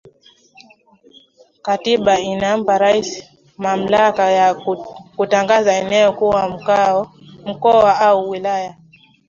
Katiba inampa Raisi mamlaka ya kutangaza eneo kuwa mkoa au wilaya